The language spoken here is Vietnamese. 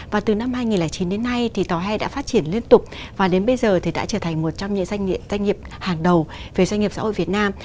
và từ năm hai nghìn chín đến nay thì tòa hay đã phát triển liên tục và đến bây giờ thì đã trở thành một trong những doanh nghiệp hàng đầu về doanh nghiệp xã hội việt nam